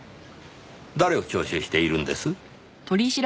誰を聴取しているんです？